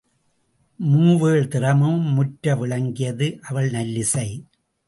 மூவேழ் திறமும் முற்ற விளங்கியது அவள் நல்லிசை.